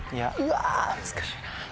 難しいな。